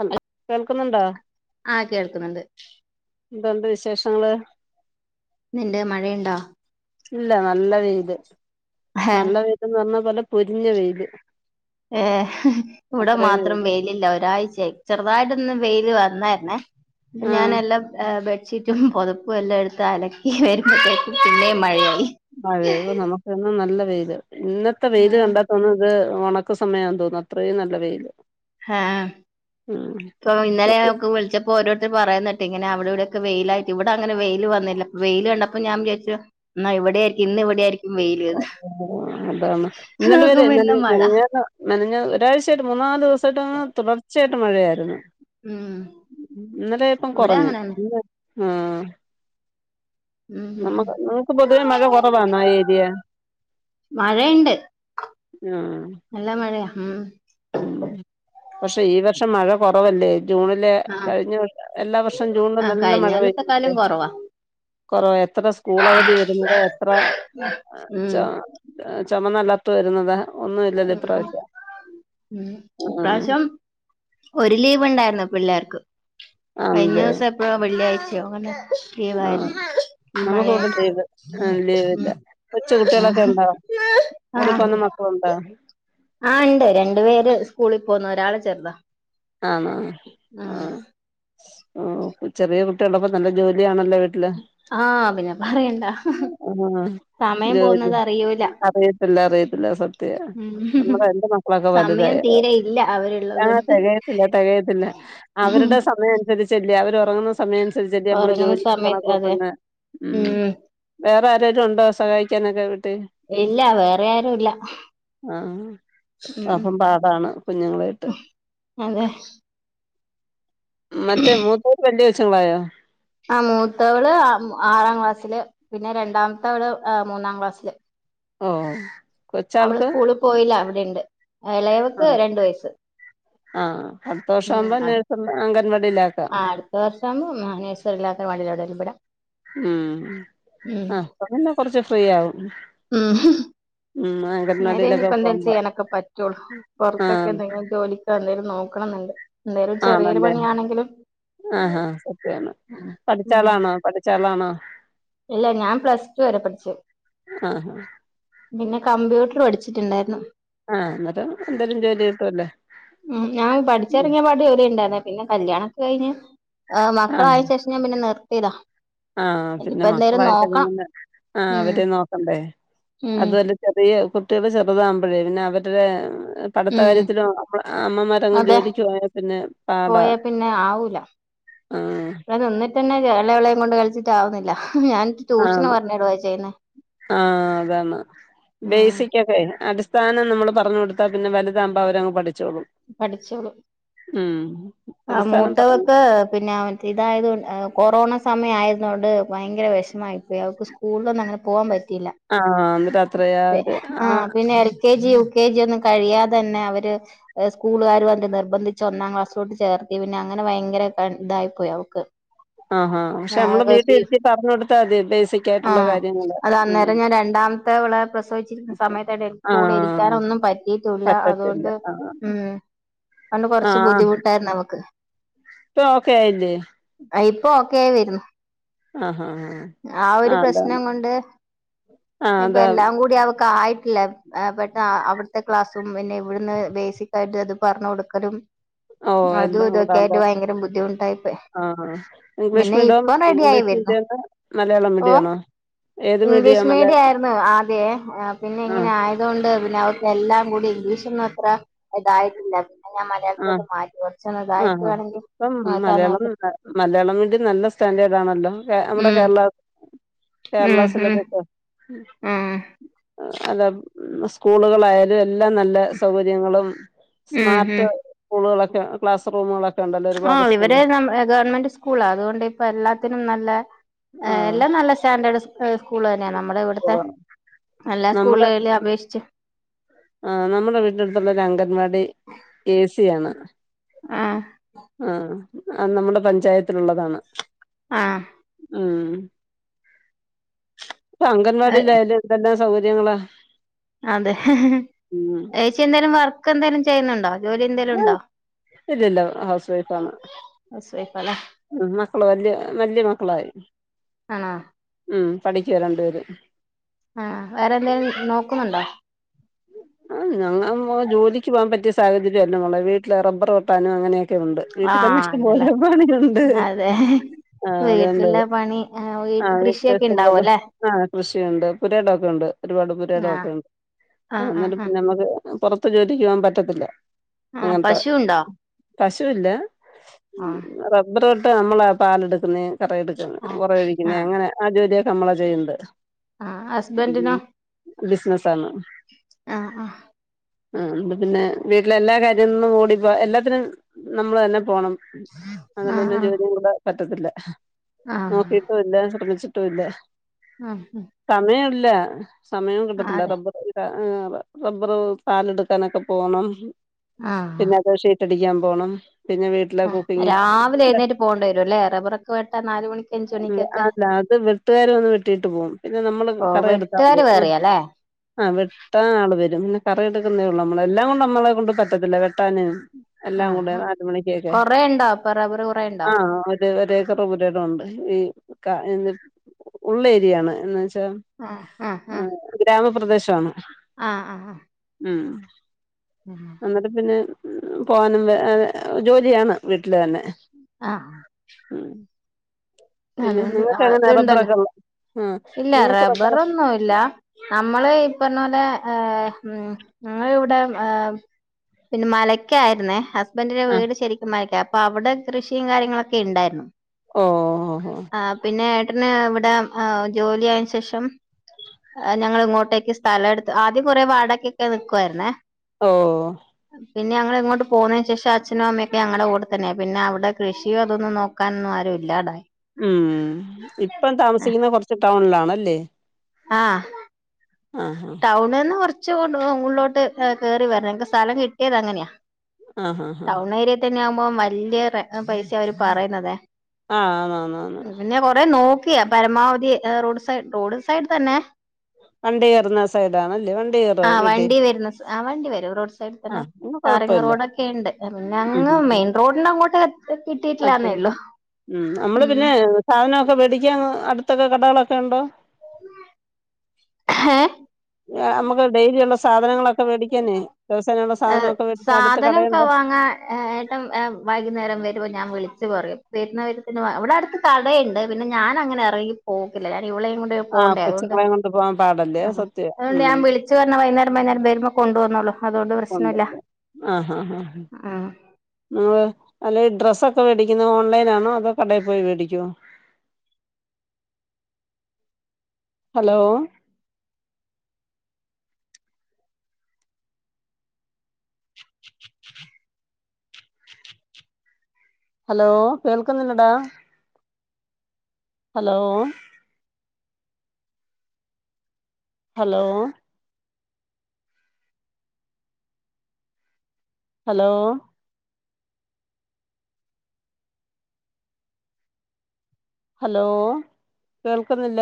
ഹൽ കേൾക്കുന്നുണ്ടോ ആഹ് കേൾക്ക്ന്ന്ണ്ട് ന്ത്‌ണ്ട് വിശേഷങ്ങള് ന്ന്ണ്ട് മഴയ്ണ്ടോ ഇല്ല നല്ല വെയില് ഹ നല്ല വെയ്ൽന്ന് പറഞ്ഞ നല്ല പൊരിഞ്ഞ വെയില് ഏഹ് ഇവിടെ അത്രയും വെയില് മാത്രം വെയിലില്ല ഒരാഴ്ച ആയി ചെറുതായിട്ടൊന്ന് വെയില് വന്നാരുന്നേ അപ്പ ആഹ് ഞാനെല്ലാം ഏഹ് വെ ചുറ്റും പുതപ്പും എല്ലാം എടുത്ത് അലക്കി വരുമ്പോഴത്തേക്കും പിന്നേ മഴയായി അതെ നമുകെന്നും നല്ല വെയിയില് ഇന്നത്തെ വെയില് ആഹ് കണ്ടാതോന്നും ഇത് ഉണക്ക സമയ തോന്നുന്നു അത്രയും നല്ല വെയില് ആഹ് ആഹ് മ്മ് ഇപ്പൊ ഇന്നലെ ഞ ഓക്ക് വിളിച്ച ഇപ്പോ ഓരോർത്തര് പറയന്നട്ടഇങ്ങനെ അവിടെക്കെ വെയിലായിട്ട് ഇവിടെ അങ്ങനെ വെയിൽ വന്നില്ല വെയില് കണ്ടപ്പോ ഞാൻ വിചാര്ച്ചു ന്നാ ഇവടെക്കെ ഇന്ന് ഇവിടേക്കും ഓ അതാണ് ഇന്നലെ നോക്കുമ്പോ വരെഞാന് ഇന്ന് മഴ മെനഞ്ഞാന്ന് മെനഞ്ഞ ഒരാഴ്ച ആയിട്ട് മൂന്നാല് ദിവസായിട്ട്ന്ന് തുടർച്ച ആയിട്ട് മഴ ആയിരുന്നു ഉം ഇന്നലെ ഇപ്പം ഇവിടെ കുറഞ്ഞ് അങ്ങനെന്നെ ആഹ് ഉം നമ്മക്ക് നമുക്ക് പൊതുവേ മഴ കുറവാണോ ഈ ഏരിയ മഴയുണ്ട് ആഹ് നല്ല മഴയാ ഉം പക്ഷെ ഈ വർഷം മഴ കുറവല്ലേ ജൂണിലെ ആഹ് കഴിഞ്ഞ വർ എല്ലാ വർഷം ജൂൺല് ആഹ് നല്ല കഴിഞ്ഞ മഴ കൊല്ലത്തെക്കാലും പെയുന്നല്ലേ കൊറവാ കൊറണ എത്ര സ്കൂൾ അവധി വരുന്നത് ലേ എത്ര ച ഉം ചുമന്നല്ലാത്ത വരുന്നത് ഒന്നും ഇല്ലല്ലോ ഇപ്രാവശ്യം ആഹ് ഇപാവശ്യം ഒരു ലീവ് ഇണ്ടാരുന്ന് പിള്ളേർക്ക് കഴിഞ്ഞ ആണല്ലേ ദിവസം എപ്പോഴ വെള്ളിയാഴ്ചയോ അങ്ങനെ ലീവായിരുന്നു നമുക്ഇവടെ മഴയായിട്ട് ലീവ് ആഹ് ലീവ്ഇല്ല ഉം കൊച്ച കുട്ടിളൊക്കെ ആഹ് ഇണ്ടോ സ്കൂളി ആഹ് പോന്ന മക്കളുണ്ടോ ആഹ് ഇണ്ട് രണ്ടു പേര് സ്കൂളിൽ പോന്ന ഒരാള് ചെറുതാ ആഹ് ഉം ആഹ് ആഹ് ചെറിയ കുട്ടികളപ്പോ നല്ല ജോലി ആണല്ലോ ആഹ്പിന്നെ പറയണ്ട ആഹ് സമയം ജോലി പോകുന്നത് അറിയൂല അറിയത്തില്ല അറിയത്തില്ല സത്യ ഉം നമ്മള എന്റെ മക്ക വക വലുത സമയം തീരെ ഇല്ല അവരുള്ളത് ആഹ് കൊണ്ട് തെകയതി തികയത്തില്ല അവരുടെ സമയം അനുസരിച്ചല്ല അവർ ഉറങ്ങുന്ന സം സമയമനുസരിച്ചിട്ട് നമ്മള് ഉറങ്ങുന്ന ജോലി സമയത്ത് അതെ കണകൊറത്തന്ന് ഉ ഉം വേറെ ആരേലും ഉണ്ടോ സഹായിക്കാനൊക്കെ വിട്ടി ഇല്ല വേറെ ആരും ഇല്ല ഉം ആഹ്അപ്പം പാടാണ് കുഞ്ഞുങ്ങളായിട്ട് അതെ ന്നിട്ട് മൂത്തോൽ വല്യ കൊച്ച്ങ്ങളായോ? ആ മൂത്തവള് ആറാം ക്ലാസ്സില് പിന്നെ രണ്ടാമത്തെവള് മൂന്നാം ക്ലാസ്സില് ഓ അവള് സ്കൂളിൽ പോയില്ല ഇവടണ്ട് എളയവക്ക് ആഹ് രണ്ടവയസ്സ് ഉം അ ഒന്ന് അംഗൻവാടിയില ആ അടുത്ത വർഷമാവുമ്പോ ആ നഴ്സറില്ലാക്കാൻ വേണ്ടിട്ടാ ഇവിടെ ഉം അപ്പൊപിന്നെ കൊറച്ച് ഫ്രീ ആവും ഊ ഹും ഉം അന്നേര അംഗൻവാടിയിലൊക്കെ ഇനിയിപ്പ എന്തേലും പോകുമ്പോ ചെയ്യാനൊക്കെ പറ്റുള്ളൂ പൊറത്തൊക്കെ ആഹ് എന്തെങ്കിലും ജോലി എന്തേലും നോക്കണന്നുണ്ട് എന്തേലും ആ ചെറിയൊരു നല്ലന്നെ പണിയാണെങ്കിലും ആ ആ സത്യാണ് ഉം പഠിച്ചആളാണോ പഠി ച്ചാളാണോ? ഇല്ല ഞാൻ പ്ലസ് ടു വരെ പഠിച്ചു ആഹാ പിന്നെ കമ്പ്യൂട്ടർ പഠിച്ചിട്ടുണ്ടായിരുന്നു ആ ന്നിട്ട് എന്തേലും ജോലി കിട്ടുമല്ലേ? ഉം ഞാൻ പഠിച്ചിറങ്ങിയ പാട് ജോലി ഉണ്ടായിരുന്ന പിന്നെ കല്യാണം ഒക്കെ കഴിഞ്ഞ് മക്കളായ ശേഷം ഞാൻ പിന്നെ നിർത്തിയത ആ പിന്നെ മക്കളായിട്ട് പിന്നൊന്ന് ആ ഉം അവരെ നോക്കണ്ടേ ഉം അതൊരു ചെറിയ കുട്ടികള് ചെറുതാകുമ്പോഴേ പിന്നെ അവരുടെ പഠിത്ത ഉം കാര്യത്തിലും അമ്മമാരങ്ങ് അതെ ജോലിക്ക് പോയാ പിന്നെ പാടാ പോയാ പിന്നെ ആവൂല ഉം പിന്നെ എളയവളേം കൊണ്ട് കളിച്ചിട്ടാവുന്നില്ല ഞാൻ ട്യൂഷന് ആന്ന് പറഞ്ഞിടുവാ ചെയ്യുന്നേ ആ അതാണ് ഉം ബേസിക് പ്പെ അടിസ്ഥാനം നമ്മള് പറഞ്ഞ് കൊടുത്താപിന്നെ വലുതാകുമ്പൊ അവരങ്ങ് പഠിച്ചോളും പഠിച്ചോളും ഉം ആ അടിസ്ഥാനം പറഞ്ഞു മൂത്തവൊക്കെ പിന്നെ അവ ഇതായത് കൊ കൊറോണ സമയം ആയതുകൊണ്ട് ഭയങ്കര വിഷമായിപ്പോയി അവക്ക് സ്കൂളിലൊന്നും അങ്ങനെ പോകാൻ പറ്റിയില്ല ആ ന്നിട്ട് അത്രയാ ഒരു ആ ആഹ് പിന്നെ L K G U K G ഒന്നും കഴിയാതെന്നെ അവര് സ്കൂളുകാരി വന്ന് നിർബന്ധിച്ച് ഒന്നാം ക്ലാസ് കൊണ്ട് ചേർത്തി പിന്നെ അങ്ങനെ ഭയങ്കര ഇതായി പോയി അവക്ക് ആഹാ പക്ഷെ ആ നമ്മള് അതൊക്കെ ഫീ വീട്ടിലിരുത്തി പറഞ്ഞു കൊടുത്താ മതി ബേസിക് ആ ആയിട്ടുള്ള കാര്യങ്ങള്. അത് ഉം അന്നേരം ഞാൻ രണ്ടാം മത്തവളെ പ്രസവിച്ചിരിക്കുന്ന സമയത്തായിട്ട് കൂടെ ആഹ് ഇരിക്കാനൊന്നും പറ്റിയിട്ടൂല്ല പറ്റത്തില്ല അതുകൊണ്ട് ആഹ് ഉം അത്കൊണ്ട് ആ ആ കുറച്ച് ബുദ്ധിമു ട്ടാരുന്നു അവക്ക് ഇപ്പൊ ഓക്കെ ആയില്ലേ ഇപ്പ ഓക്കെ ആയി വരുന്നു ആഹ് ആഹ് ആഹ് ആ ഒരു പ്രശ്നം കൊണ്ട് ആ ഇപ്പ അതാ എല്ലാം കൂടി അവക്ക് ആയിട്ടില്ല ആ പെട്ട അവിടുത്തെ ക്ലാസ്സും പിന്നെ ഇവിടുന്ന് ബേസിക് ആയിട്ട് അത് പറഞ്ഞു കൊടുക്കലും ഓ അതും എല്ലാം ഇതൊക്കെ ആയിട്ട് കൂടാവുമ്പോ ഭയങ്കര ബുദ്ധിമുട്ടായിപ്പോയി ആ ഇംഗ്ലീഷ് പിന്നെ ഇപ്പം മീഡിയം റെഡി ആയി വരുന്നു [unintelligible] മലയാളം ഓ മീഡിയം ആണോ ഏത് ഇംഗ്ലീഷ് മലയാ മീഡിയ ആയിരുന്നു ആദ്യ പിന്നെ ആഹ് ഇങ്ങനെ ആയ തുകൊണ്ട് പിന്നെ അവക്ക് എല്ലാം കൂടി ഇംഗ്ലീഷൊന്നും അത്ര ഇതായിട്ടില്ല പിന്നെ ഞാൻ മലയാളം ആഹ് ഇതൊക്ക മാറ്റി കുറച്ചു ഒന്ന് ആഹ് ഇതായിട്ടവാണെങ്കിൽ ഇപ്പം മലയാളം മലയാളം വേണ്ട നല്ല സ്റ്റാൻഡേർഡ് ആണല്ലോ നമ്മുടെ ഉം കേരളം കേരള ഉം ഉം സിലബസ ഉം അല്ലെ ഉ സ്കൂളുകളായാലും എല്ലാ നല്ല സൗകര്യങ്ങളും ഉം സ്മാർട്ട് ഉം സ്കൂളുകളൊക്കെ ക്ലാസ് റൂമുകളൊക്കെ ഉണ്ടല്ലോ ആ ഒരുപാട് ഇവര് സ്കൂള് ഗവൺമെന്റ് സ്കൂള് അതുകൊണ്ട് ഇപ്പ എല്ലാത്തിനും നല്ല ആഹ് എല്ലാം നല്ല സ്റ്റാൻഡേർഡ് സ്കൂള് തന്നെയാണ് നമ്മുടെ ഇവിടുത്തെ എല്ലാ സ്കൂളുകളിലും അപേക്ഷിച്ച് ആ നമ്മുടെ വീട്ടിനടുത്തുള്ള ഒരു അംഗൻവാടി എ സി ആണ് ആ ആ ആ നമ്മുടെ പഞ്ചായത്തിലുള്ളതാണ് ആ ഉം ഇപ്പൊ അംഗൻവാടിയിലായാലും എന്തെല്ലാം സൗകര്യങ്ങളാ അതെ ഉം ചേച്ചി എന്താലും വർക്ക് എന്തേലും ചെയ്യുന്നുണ്ടോ ജോലി എന്തേലും ഉണ്ടോ ഇല്ലില്ല ഹൗസ് ഹൗസ് വൈഫ് അല്ലേ ഉ മക്കള് വല്യ വല്യ മക്കളായി ആണോ ഉ പഠിക്കുവാ രണ്ടു പേര് ആ വേറെന്തെലും നോക്കുന്നുണ്ടോ ആഹ് ഞങ്ങ ജോലിക്ക് പോവാൻ പറ്റിയ സാഹചര്യല്ല മോളെ വീട്ടില് റബ്ബർ വെട്ടാനും അങ്ങനെക്കെ ഒക്കെ ഉണ്ട് വീട്ടിൽ തന്നെ ആഹ് ഉണ്ടല്ലേ ഇഷ്ടംപോല പണിയുണ്ട് അതെ ആ അതണ്ട് വീട്ടിലെ പണി ആ വീട്ട് കൃഷിയൊക്കെ വീട്ടിലിഷ്ടം ഉണ്ടാവും പോലെ അല്ലെ ആ കൃഷിയുണ്ട് പുരിടൊക്കെണ്ട് ഒരു പാട് ആഹ് പുരയിടൊക്കെ ഉണ്ട് അഹ് ആഹ് ആഹ് എന്നിട്ട് ആഹ് പിന്ന നമ്മക്ക് പോറത്ത് ജോലിക്ക് പോകാൻ പറ്റത്തില്ല ആഹ് അങ്ങനത്തെ പശു ഉണ്ടോ പശുഇല്ല ആഹ് റബ്ബർ വെട്ട് നമ്മള് പാലെടുക്കുന്ന കറ എടുക്കുന്നേ ഉറഒഴിക്കുന്ന ആഹ് അങ്ങനെ ആ ജോലിയൊക്കെ നമ്മളാ ആഹ് ചെയ്യണ്ട്ഉം ഹസ്ബൻഡിനോ ബിസിനസ ആണ് ആഹ് ആഹ് ആഹ് അപ്പ പിന്നെ വീട്ടിലെ എല്ലാ കാര്യങ്ങളന്നും ഓടിപ്പോ എല്ലാത്തിനും നമ്മള് തന്നെ പോണം അങ്ങനെ തന്നെ ആഹ് ജോലി കൂടെ പറ്റത്തില്ല ആഹ് ആഹ് നോക്കിട്ടും ഇല്ല ശ്രമിച്ചിട്ടും ഇല്ല അഹ് ഹും സമയംല്ല സമയോം കിട്ടത്തില്ല അതെ റബ്ബർ ആഹ് റബ്ബർ പാലെടുക്കാനൊക്കെ പോണം ആഹ് പിന്നെ അത് ഷി റ്റടിക്കാൻ പോണം പിന്നെ വീട് രാവിലെ എഴുന്നേറ്റ് പോകേണ്ടേരും അല്ലേ റബ്ബർ വെട്ടാൻ നാല് മണിക്ക് അഞ്ച് മണിക്കൊക്കെ അല്ല അത് വെട്ടുകാര് വന്ന് വെട്ടിട്ട് പോകും പിന്നെ നമ്മള് ഓ കറ എടുത്താൽ മതി വെട്ടുകാര് വേറെയാല്ലേ ആഹ് വെട്ടാ ആള് വരും പിന്നെ കറ എടുക്കുന്നേ ഉള്ളൂ നമ്മളെല്ലാം കൊണ്ട് നമ്മളെ കൊണ്ട് പറ്റത്തില്ല വെട്ടാന് എല്ലാം കൂടെ ആഹ് ആഹ് നാല് മണിക്കൊക്കെ കൊറേ ഉണ്ടോ അപ്പൊ റബ്ബർ കൊറേ ഉണ്ടോ ആഹ് ഒര് ഒരെഏക്കറ പുരയിടമുണ്ട് ഈ ഉള്ളേഏരിയയാണ് എന്ന് വെച്ചാ ആഹ് ആഹ് ആഹ് ഗ്രാമപ്രദേശണ് ആഹ് ആഹ് ആഹ് ഉം ഉം എന്നിട്ട് പിന്നെ പോകാനും വ ജോലിയാണ് വീട്ടില് തന്നെ ആഹ് ഉം പിന്നെ അതൊണ്ട് നിങ്ങൾക്ക് എങ്ങനെ അത്ണ്ടല്ലോ റബ്ബറൊക്കെ ഉള്ള ആഹ് ഇല്ല നിങ്ങൾക്ക് റബ്ബർ റബ്ബറൊന്നുംഇ ല്ല നമ്മള് ഇപ്പറഞ്ഞ പോലെ ഏ ഉം ഞങ്ങളെ ഇവിടെ പിന്നെ മലക്കായിരുന്നേ ഹസ്ബന്റിന്റെ ആഹ് വീട് ശരിക്കും മലക്ക അപ്പൊ അവിടെ കൃഷിയും കാര്യങ്ങളൊക്കെ ഇണ്ടായിരുന്നു ഓഹ് ഓഹ് ഒഹ് ആ പിന്നെ ഏട്ടന് ഇവിടെഏ ജോലിയതിന് ശേഷം ഞങ്ങൾ ഇങ്ങോട്ടേക്ക് സ്ഥല എടുത്തു ആദ്യം കുറെ വാടകക്കൊക്കെ നൽക്കുവായിരുന്നേ ഓഹ് പിന്നെ ഞങ്ങള് ഇങ്ങോട്ട് പോതിനന് ശേഷം അച്ചനും അമ്മൊക്കെ ഞങ്ങളടെ കൂടെ തന്നെ പിന്നെ അവടെ കൃഷിയോ അതൊന്ന് നോക്ക ക്കാനൊന്നും ആരു ഇല്ലാതായി ഉം ഇപ്പം താമസിക്കുന്ന കോറച്ച് ടൗണിലാണല്ലേ ആഹ് ആഹ ആഹ് ടൗണിന്ന് കോറച് ഉള്ളോട്ട്കേറി വരണം ഞങ്ങക്ക് സ്ഥലം കിട്ടിയത് അങ്ങനെയാ ആഹ് ആഹ് ആഹ് ആഹ് ടൗൺ ഏരിയ തന്നെ ആകുമ്പോം വല്യ പൈസ അവര് പറയിന്നത് ആഹ് ആന്ന് ആന്ന് ആന്ന് പിന്നെ കൊറെ നോക്കിയ പരമാവധി റോഡ് സൈഡ് റോഡ് സൈഡ് തന്നെ വ ണ്ടി കേറ്ന്ന സൈഡാണല്ലേ വണ്ടി കേർ ആ വണ്ടി വരുന്ന ആ വണ്ടി വരും റോഡ്സൈ സൈഡിതന്നെ ആഹ് എന്നാ ട്ടാറിങ് കൊഴപ്പല്ല റോഡൊക്കെ ഇണ്ട് പിന്നെ ഉം അങ്ങ് ഉം മെയിൻ റോഡിന്റെ അങ്ങോട്ട്എത് കിട്ടിയിട്ടില്ലാ കുഴപ്പല്ല എന്നെഉള്ളു ഉം നമ്മള് പിന്നെ സാധനമൊക്കെ മേടിക്കാൻ അടുത്തൊക്കെ കടകളൊക്കെ ഉണ്ടോ നമുക്ക് ഡെയിലി ഉള്ള സാധനങ്ങളൊക്കെ വേടിക്കാന് ദിവസേനുള്ള സാധനൊക്കെ വേടിക്കാൻ അടുത്ത് കടയുണ്ടോ ഏട്ടം വൈകുന്നേരം വരുമ്പോ ഞാൻ വിളിച്ചു പറയും [unintelligible] അവിടെ അടുത്ത് കടയുണ്ട് പിന്നെ ഞാന് അങ്ങനെ ഇറങ്ങി പോക്കില്ല ഞാൻ ഇവളേയും കൊണ്ട് പോണ്ടേ അതുകൊണ്ട് ആ പോവാൻ പാടല്ലേ സത്യ അതുകൊണ്ട് ഉം ഞാൻ വിളിച്ചു പറഞ്ഞ വൈകുന്നേരം വൈകുന്നേരം വരുമ്പോ കൊണ്ടുവന്നോളൂ അതുകൊണ്ട് പ്രശ്നമില്ല ഉണ്ടല്ലേ ആഹഹഹഹ് ഉം നിങ്ങള് അല്ലെ ഡ്രസ്സൊക്കെ മേടിക്കുന്നത് ഓൺലൈനാണോ അതോ കടയിൽ പോയി മേടിക്കോ ഹലോ ഹലോ കേൾക്കുന്നുണ്ടടാ ഹലോ ഹലോ ഹലോ ഹലോ കേൾക്കുന്നില്ല